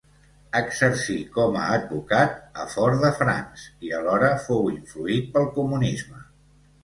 Exercí com a advocat a Fort-de-France i alhora fou influït pel comunisme.